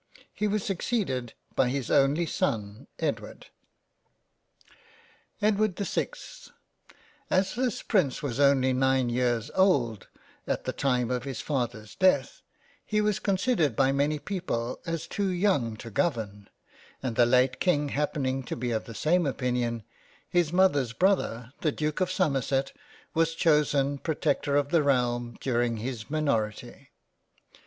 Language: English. He was succeeded by his only son Edward. o 89 £ JANE AUSTEN £ EDWARD the 6th AS this prince was only nine years old at the time of his Father's death, he was considered by many people as too young to govern, and the late King happening to be of the same opinion, his mother's Brother the Duke of Somerset was chosen Protector of the realm during his minor ity.